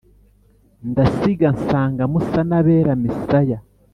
Ndasiga nsanga musanabera Misaya